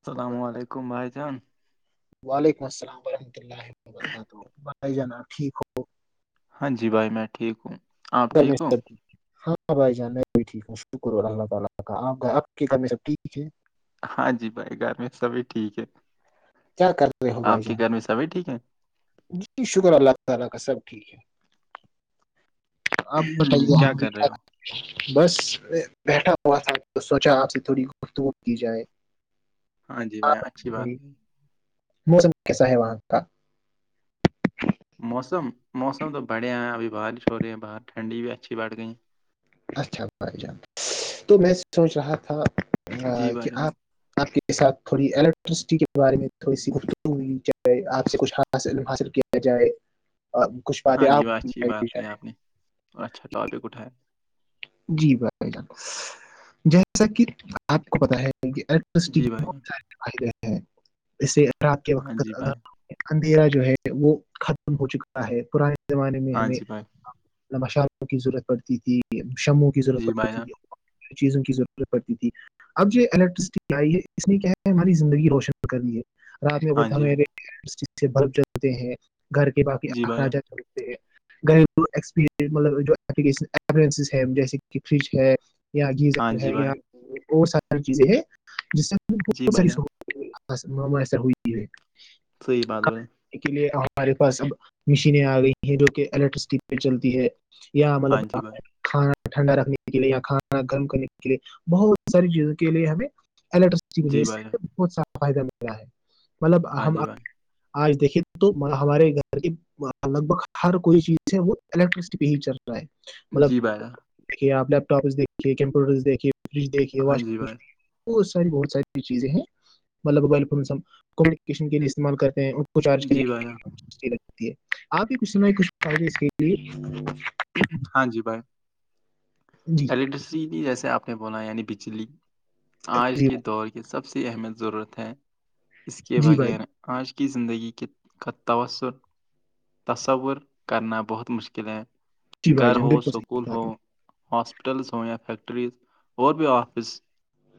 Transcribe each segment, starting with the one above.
السلام وبرکاتہ علیکم بھائی جان وعلیکم السلام ورحمۃ اللہ وبرکاتہ بھائی جناب ٹھیک ہو ہاں جی بھائی میں ٹھیک ہوں آپ ٹھیک ہو گرمیشتی [unintelligible] ہاں بھائی جان میں بھی ٹھیک ہوں شکر اللہ تعالی کا آ آپ کے گھر میں سب ٹھیک ہے ہاں جی بھائی گھر میں سبھی ٹھیک ہے کیا کر رہے ہو بھائی آپ کے جان؟ گھر میں سبھی ٹھیک ہے جی شکر اللہ تعالی کا سب ٹھیک ہے آپ بتائیے ہم کر رہے کیا ہو بس بیٹھا ہوا تھا تو سوچا آپ سے تھوڑی گفتگو کی جائے ہاں جی بھائی آپ اچھی بات بائی موسم کیسا ہے وہاں کا موسم موسم تو بڑھیا ہے ابھی بارش ہو رہی ہے باہر ٹھنڈی بھی اچھی بڑھ گئی ہے اچھا پھائی جان تو میں سوچ رہا تھا کہ آپ ج [unintelligible] آ کے ساتھ تھوڑی الیکٹرسٹی کے بارے میں تھوڑی سی گفت م چاہے آ سے کچھ ہاتھ [unintelligible] علم حاصل کیا جائے اور کچھ ہاں باتیں جی بھائی آپ اچھی جائ بات کہی آپ نے اچھا ٹاپک اٹھاائے جی بھائیائی جان جیسا کہ آپ کو پتا ہے [inaudible] جی گ بھائی جان ہیں اس سے اگر آپ کے ہاں وقت جی ادا بھائی [inaudible] اندھیرا جو ہے وہ ختم ہو چکا ہے پرانے زمانے میں ہاں ہمیں جی بھائی بشاروں کی ضرورت پڑتی تھی شموں کی ضرورت جی بھائی پڑتی جان تھی چیزوں کی ضرورت پڑتی تھی اب یہ الیکٹریسٹی آئی ہے اس لیے کیا ہے ہماری زندگی روشن کرنی ہے رات ہاں جی بھائی، میںے سے ب جاتے ہیں گھر کے باقی جی بھائی جان اخراجات [unintelligible] گھریلوپ مطلب جو ہیں جیسے کہ فریج ہے [unintelligible] یا ہاں گیزر ہے جی یا بھائی اور سارا چیزیں ہے جس سے ہم جی بہت بھائی ساری ش جان [unintelligible] مام ایسا ہوئی ہے [unintelligible] صحیح بات بولے کے لیے ہمارے پاس اب مشینیں آ گئی ہیں جو کہ الیکٹرسٹی پہ چلتی ہے یا مطلب ہاں جی بھائی کھانا ٹھنڈا رکھنے کے لیے کھانا گرم کرنے کے لیے بہت ساری چیزوں کے لیے ہمیں الٹر لیے جی بھائی جان بہت سارا فائدہ مل رہا ہے مطلب ہاں ہم جی بھائی آج دیکھیے تو ہمارے گھر کی لگ بھگ ہر کوئی چیز ہے وہ الیکٹرسٹی پہ ہی چل رہا ہے مطلب بایا [unintelligible] دیکھیے آپ لیپ ٹاپس دیکھیے کمپیوٹر دیکھیے فریج دیکھیے ہاں جی واشنگ بھائی مشین بت ساری بہت ساری چیزیں ہیں مطلب موبائل فون کمیونکیشن کے لیے استعمال کرتے ہیں کچھارجنے جی بھائی ہے آپ ہی کچھ نہ کچھے اس کے لیے ہاں جی بائے جی جیسے آپ نے بونا یعنی بجلی آج جی کے دور کی سب سے اہمیت ضرورت ہے اس کے جی بھائی بغیر آج کی زندگی کے کا تسر تصور کرنا بہت مشکل ہے جی بھائی گھر جان ہو بالکل صحیح سکول کہا ہو آپ نے ہاسپٹلس ہوں یا فیکٹریز اور بھی آفس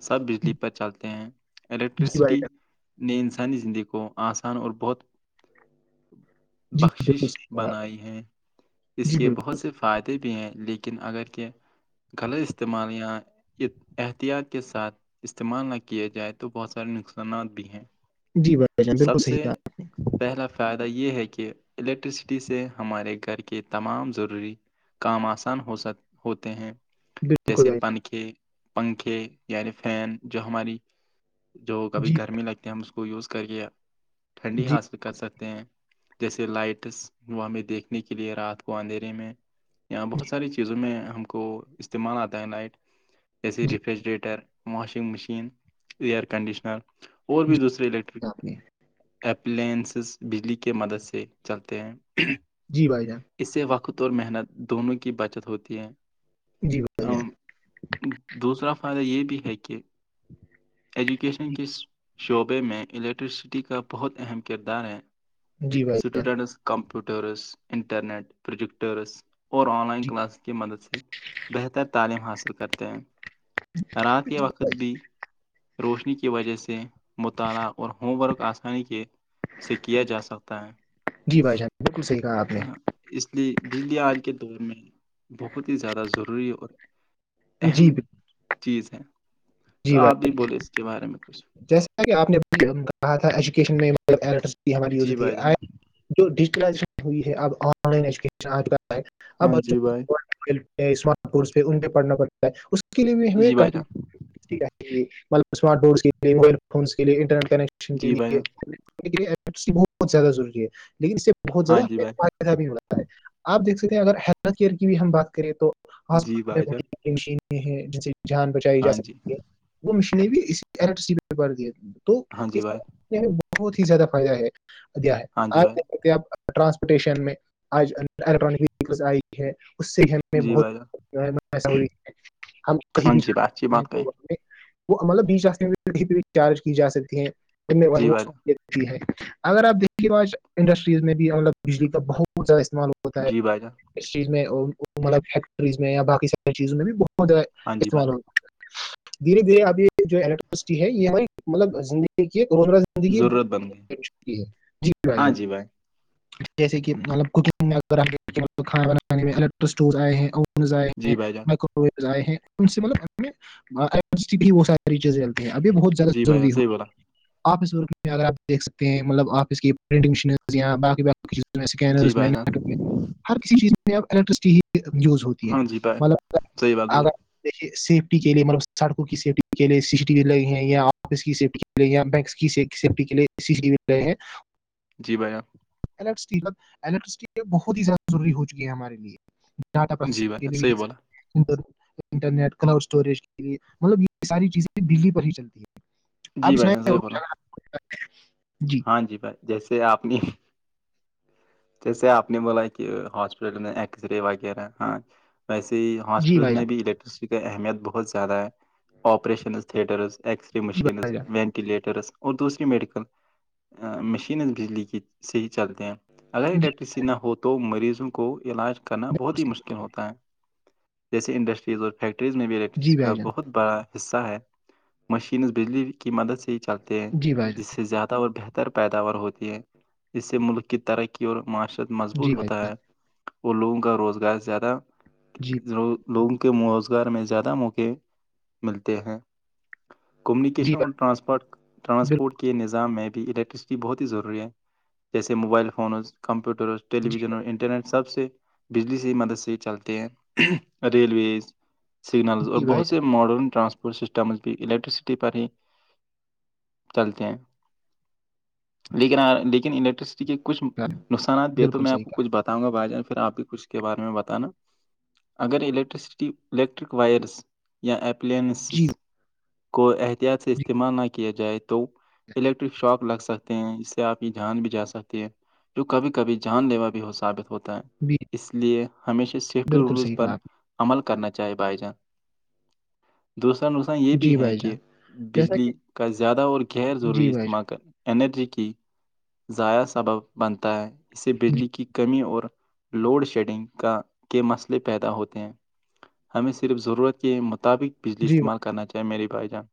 سب بجلی پر چلتے ہیں جی بھائی الیکٹرسٹی جان نے انسانی زندگی کو آسان اور بہت جی بالکل بخشش صحیح کہا آپ نے۔ بنائی ہیں اس جی کے بالکل بہت سے فائدے بھی ہیں لیکن اگر کہ لط استعمال یا احتیاط کے ساتھ استعمال نہ کیے جائے تو بہت سارے نقصانات بھی ہیں جی ب جان بالکل سب سے صحا پہلا فائدہ یہ ہے کہ الیکٹرسٹی سے ہمارے گھر کے تمام ضروری کام آسان ہو سک ہوتے ہیں بالکل جیسے بھائی جان پنکھے پنکھے یعنی فین جو ہماری جو کبھی جی گرمی لگتی ہے اس کو کو یوز کر کے ٹھنڈی جی ہاتھ کر سکتے ہیں جیسے لائٹس وہ ہمیں دیکھنے کے لیے رات کو اندھیرے میں یہاں بہت ساری چیزوں میں ہم کو استعمال آتا ہے لائٹ جیسے جی refrigerator washing machine air conditioner اور بھی دوسرے الٹ آپنی اپلائنسز بجلی کے مدد سے چلتے ہیں جی بھائی جان اس سے وقت اور محنت دونوں کی بچت ہوتی ہے جی ا بھائی جان دوسرا فائدہ یہ بھی ہے کہ ایجوکیشن جی کس شعبے میں الیکٹرسٹی کا بہت اہم کردار ہے جی بھائی جان اسٹوڈینٹس کمپوٹرس انٹرنیٹ پروجیکٹرس اور آن لائن جی کلاس کی مدد سے بہتر تعلیم حاصل کرتے ہیں رات کے وقت بھائی جان بھی روشنی کی وجہ سے مطالعہ اور ہوم ورک آسان کے سے کیا جا سکتا ہے جی بھائی جان بالکل صحیح کہا آپ نے اس لیے بجلی آج کے دور میں بہت ہی زیادہ ضروری اور جی اہم چیز ہے تو جی بھائی آپ بھی بولے اس کے بارے میں کچھ جیسا کہ آپ نے کہا تھا ایجوکیشن میں ال ہم جی یوزھی بھائی جان جو ڈیجیٹلائیشن ہوئی ہے اب آن لائن ایجوکیشن آج ہے اب ہاں جی بھائی بچوں اسمارٹ بورس پہ ان پہ پڑھنا پڑتا ہے اس کے لیے بھی ہمیں جی بھائی کن جان مطلب اسمارٹ ف کے لیے موبائل فونس کے لیے انٹرنیٹ کنیکشن کے جی بھائی جان لیے بہت زیادہ ضروری ہے لیکن اس سے بہت ہاں زیادہ جی بھائی فدہ بھی ہوتا ہے آپ دیک سکتے ہیں اگر ہیلتھ کیئر کی بھی ہم بات کریں تو جی بھائی جان ہاسپٹل مشینیں ہیں جن سے جان بچائی جا ہاں جی سکتی ہے وہ مشینیں بھی اسی ال تو ہاں جی اس بھائی بہت ہی زیادہ فائدہ ہے ا ہے ہاں جی آ بھائی آپ ٹرانسپورٹیشن میں آج الیکٹرانک ویکل آئی ہے اس سے ہم جی بھائی جان بہتسا ہم کہیں ہاں بھی جی بھائی اچھی جکتے ہیں بات کہیں تو ہم وہ مطلب بیچ ج چارج کی جا سکتی ہیں جی بھائی جان ہے اگر آپ دیکھیے ب آج انڈسٹریز میں بھی مطلب بجلی کا بہت زیادہ استعمال ہوتا ہے جی بھائی جان اس چیز میں م فیکٹریز میں یا باقی ساری چیزوں میں بھی بہت ہاں جی بھائی استعمال ہو [unintelligible] دھیرے دھیرے اب یہ جو الیکٹرسٹی ہے یہ ہماری مطلب زندگی [unintelligible] دیکھیے روزمرہ زندگی ضرورت بن گئی جی بھائی ہاں جان [unintelligible] جی جیسے کہ مطلب کوکنگ میں اگر کھانا بنانے میں الیکٹرکٹ آئے ہیں اور [unintelligible] جی بھائی جان آئےری آئے ہیں ان سے ملب سارییز [unintelligible] ابھی بہت زیادہ جی بھائی جان ضروری ہو صحیح بولا آفس ورک میں اگر آپ دیکھ سکتے ہیں مطلب آفس کی پرنٹنگ مشین یا بقی اسکینر جی میں بھائی نیٹ میں جان ہر کسی چیز میں اب الیکٹریسٹی یوز ہوتی ہے ہاں جی بھائی م صحیح بات بولی اگر جےیفٹی کے لیے مطلب سڑکوں کی سیفٹی کے لیے ٹی وی لگ ہیں یا آفس کی سیفٹی کے لیے یا بک سیفٹی کے لیے ای سی ٹی وی لگ ہیں جی بھیا ال الیکٹسٹی بہت ہی زیادہ ضوری ہو چکی ہے ہمارے لیے ڈاٹا جی پرسیسر بھائی صحیح بولا انٹرنیٹ کلاڈ اسٹوریج کےے مطلب یہ ساری چیزیں بجلی پر ہی چلتی ہے آپ جی بھائی س نے صحیح بولا جی ہاں جی بھائی جیسے آپ نے جیسے آپ نے بولا کہ ہاسپٹل میں ایکس رے وغیرہ ہاں ویسے ہی جی ہاسپٹل بھائی میں جان بھی الیکٹریسٹی کا اہمیت بہت زیادہ ہے آپریشن تھیٹرس اسرے جی مشینز بھائی جان وینٹلیٹرز اور دوسری میڈیکل مشین بجلی کی سے ہی چلتے ہیں اگر جی الیکٹرسٹی نہ ہو تو مریضوں کو کو علاج کرنا بالکل بہت ہی صحیح مشکل ہوتا ہے جیسے انڈسٹریز اور فیکٹریز میں بھی جی الیکٹرسٹی کا بھائی جان بہت بڑا حصہ ہے مشینز بجلی کی مدد سے چلتے ہیں جی بھائی جان جس سے زیادہ اور بہتر پیداوار ہوتی ہے اس سے ملک کی ترقی اور معاشرت جی مضبوط بھائی ہوتا جان ہے اور لوگوں کا روزگار زیادہ جی [unintelligible] و لوگوں کے روزگار میں زیادہ موقعے ملتے ہیں جی کمیونیکیشن اور بھائی بالکل ٹرانسپورٹ کے نظام میں بھی الیکٹرسٹی بہت ہی ضروری ہے جیسے موبائل فونز کمپر جی ٹیویژن اور انٹرنیٹ سب سے بجلی سے ہی مدد سے چلتے ہیں ریلویز سگنلز اور جی بھائی بہت ماڈرن ٹرانسپورٹ سسٹمز بھی الیکٹرسٹی پر ہی چلتے ہیں لیکن لیکن الیکٹرسٹی کے کچھ جان نقصانات دے تو بالکل میں آپ صحیح کو کچھ کہا بتا بتاؤں گا بھائی جان پھر آپ بھی کچ اس کے بارے میں بتانا اگر الییکٹرسٹی الییکٹرک وائرس یا اپلنسس جی کو احتیاط سے جی استعمال نہ کیا جائے تو الیکٹرک شوق لگ سکتے ہیں اس سے آپ کی جان بھی جا سکتے ہیں جو کبھی کبھی جان لیوا بھی ہو ثابت ہوتا ہے جی اس لیے ہمیشہ سیفٹی بالکل رولز صحیح پر کہا آپ عمل کرنا چاہے بھائی جان دوسرا نقصان یہ نے بھی جی ہے بھائی کہ جان جیسا کہ بجلی کا زیادہ اور غیر ضروری جی بھائی استعمال انرجی کی ضائع سبب بنتا ہے اس سے جان جی بجلی کی کمی اور لوڈ شیڈنگ کا کے مسئلے پیدا ہوتے ہیں ہمیں صرف ضرورت کے مطابق بجلی جی استعمال کرنا چاہے میرے بھائی جان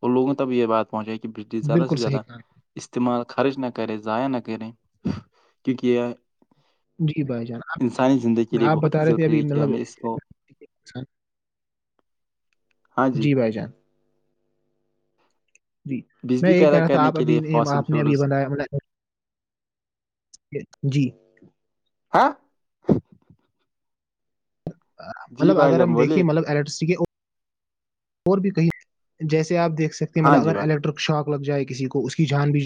اور لوگوں تب یہ بات پہنچی ہے کہ بھائی زیادہ بالکل سے صحیح زیادہ کہا آپ نے۔ استعمال خرچ نہ کریں ضائع نہ کریں کیونکہ یہ جی بھائی جان انسانی زندگی آپ کے لے آپ بہت ہی بتا رہے تھے ضروری ابھی ہے کہ مطلب ہمیں اس کو انسان- جی بھائی جان جی میں بجلی یہ کہہ پیدا رہا تھا کرنے آپ کے لیے ابھی فاسل آپ نے ابھی فیولز بنایا جی [unintelligible] جی مطلب بھائی اگر جان ہم دیکے بولیے ملب ال [unintelligible] اور بھی کہیں جیسے آپ دیکھ سکتے ہیں ہاں ملا جی اگر بھائی الیکٹرک شوق لگ جائے کسی کو اس کی جان بھی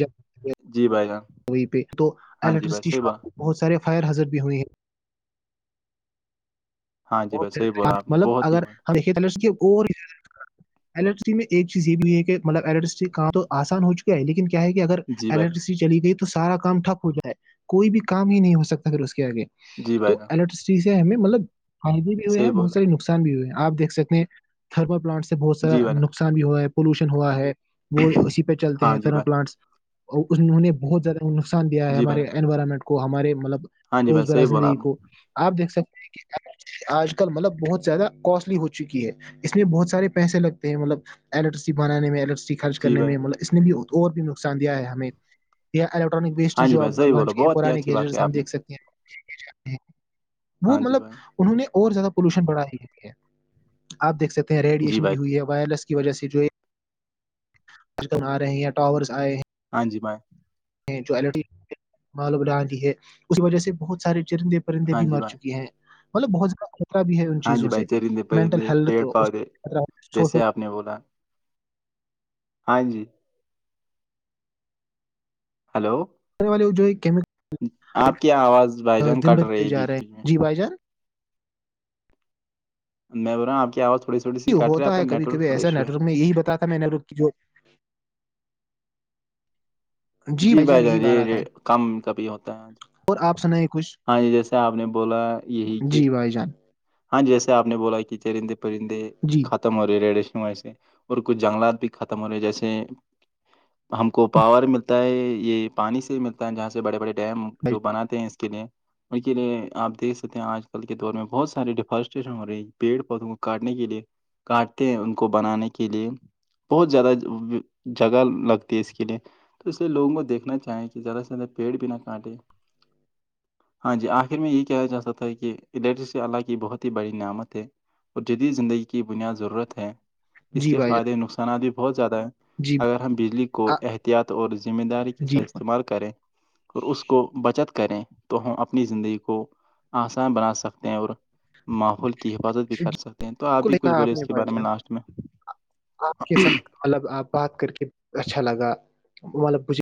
جی بھائی جان جائے پہ تو ہاں جی الیکٹرس بھائی صحیح بولا شپ بہت سارے فائر حضر بھی ہوئے ہیں ہاں جی بھائی بہت صحیح بولا آپ نے مطلب بہت ہی اگر بولا. ہم دیکے اور الیکٹرٹی میں ایک چز یہ بھی ہے کہ مطل الٹ کہاں تو آسان ہو چکا ہے لیکن ہے کہ اگر جی بھائی الیکٹرسٹی چلی گئی تو سارا کام ٹھپ ہو جائے کوئی بھی کام ہی نہیں ہو سکتا پھر اس کے آگے جی بھائی تو جان الیکٹرسٹی سے ہمیں مطلب فائدے بھی ہوئے ہیں صحیح بہت بولا سارے نقصان بھی ہوئے آ دیکھ سکتے ہیں تھرمل پلانٹ سے بہت سارا جی بنا نقصان بھی ہوا ہے پولوشن ہوا ہے وہ اسی پہ چلتے ہاں ہیں جی تھرمل بھائی پلانٹس اورہوں نے بہت زیادہ نقصان دیا ہے جی ہمارے بنا انوائرمنٹ کو کو ہمارے مطلب ہاں جی بھائی روزمرہ صحیح بولا زندگی آپ نے کو آپ دیکھ سکتے ہیں کہ کیا آج کل مطلب بہت زیادہ کوسٹلی ہو چکی ہے اس میں بہت سارے پیسے لگتے ہیں مطلب الیکٹرسٹی بنانے میں الیکٹرٹی خرچ جی کرنے بھائی میں مطلب اس نے بھی اور بھی نقصان دیا ہے ہمیں یا الیکٹرانک ویسٹ ہاں جی جو اب بھائی صحیح بن بولا چکے ہیں بہت ہی پرانے اچھی بات کہی گیزر ہم آپ نے دھ سکتے ہیں وہ ہاں جی مطلب بھائی انہوں نے اور زیادہ پولوشن بڑھا ہی ہے آپ دیکھ سکتے ہیں جی ریڈیشن بھائی بھی ہوئی ہے وائرس کی وجہ سے جو بجن آ رہے ہیں یا ٹاورس آئے ہیں ہاں جی بائے جو ہے اس کی وجہ سے بہت سارے چرندے پرندے ہاں بھی جی مر بھائی چکی ہیں مطلب بہت زیادہ خطرہ بھی ہے ان ہاں جی چیزوں بھائی سے چرندے مینٹل پرندے ہیلتھط [unintelligible] سنے بولا [unintelligible] ہاں جی ہلو والے آپ کی آواز بھائی جان دن کٹ رہی بدتے ہے جا رہے بیچ بیچ ہیں میں جی بھائی جان میں بول رہا آپ کی آواز تھوڑی تھوڑی سی کٹ رہی آپ ہوتا کا ہے کبھی نیٹ کھی ورک تھوڑا ایسا ایشو نیٹ ہے ورک میں یہی بتا تھا میں نیٹ ورک کی جو جی بھائی جان یہی کام کا بھی ہوتا ہے اور آپ سنیں کچھ ہاں جی جیسے آپ نے بولا یہی کہ جی بھائی جان ہاں جیسے آپ نے بولا کہ چرندے پرندے جی ختم ہو رہی ہے ریڈیشن ویے اور کچھ جنگلات بھی ختم ہو رہے ہیں جیسے ہم کو پاور ملتا ہے یہ پانی سے ملتا ہے جہاں سے بڑے بڑے ڈیم بھائی جو بناتے ہیں اس کے لیے ان کے لیے آپ دیکھ سکتے ہیں آج کل کے دور میں بہت سے س ڈیفارسٹریشن ہو رہی پیڑ پودوں کو کاٹنے کے لیے کاٹتے ہیں ان کو بنانے کے لیے [unintelligible] بہت زیادہ جگہ لگتی ہے اس کے لیے تو اس لیے لوگوں کو دیکھنا چاہیں کہ زیادہ سے زیادہ پیڑ بھی نہ کاٹے ہاں جی آخر میں یہ کہ جاتا تھا کہ ڈٹ [unintelligible] اللہ کی بہت ہی بڑی نعمت ہے اور جدید زندگی کی بنیاد ضرورت ہے اس جی کے بھائی جان فائدے نقصانات بھی بہت زیادہ ہیں جی اگر ہم بجلی کو احتیاط اور ذمہ داری کے جی ساتھ استعمال کر کریں اور اس کو بچت کریں تو ہم اپنی زندگی کو آسان بنا سکتے اور ماحول کی حفاظت بھی کر بالکل سکتے تو آپ بھی کچھ کہا بولے آپ اس نے کے بھائی بارے میں جان لاسٹ میں آپ کے ساتھ مطلب آ بات کر کے اچھا لگا مطلب ب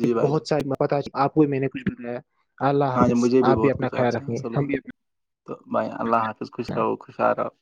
جی بھائی جان بہت ساری پت آپ کو میں نے کچھ کروایا ہے اللہ ہاں جی حافظ مجھے آپ بھی بہت اپنا کچھ خیال سے رکھیںے حاصل ہم ہوا بھی اپنا تو بائے اللہ حافظ خوشراو خوش آ رو [unintelligible]